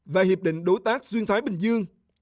và hiệp định đối tác xuyên thái bình dương